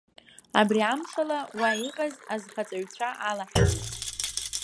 Абри амшала, уа иҟаз азхаҵаҩцәа алаҳгеит.